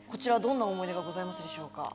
どんな思い出がございますでしょうか？